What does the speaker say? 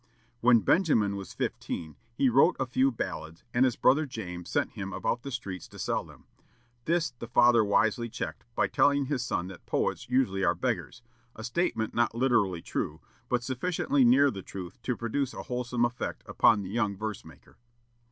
When Benjamin was fifteen, he wrote a few ballads, and his brother James sent him about the streets to sell them. This the father wisely checked by telling his son that poets usually are beggars, a statement not literally true, but sufficiently near the truth to produce a wholesome effect upon the young verse maker.